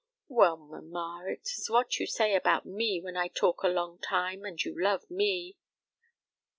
"Well, mamma, it is what you say about me when I talk a long time, and you love me."